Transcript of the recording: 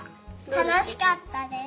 たのしかったです。